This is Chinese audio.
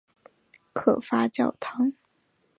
可发酵糖是通常在发酵行业用到的术语。